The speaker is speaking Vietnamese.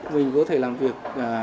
mình có thể làm việc